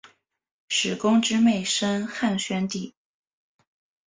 史恭之妹生汉宣帝。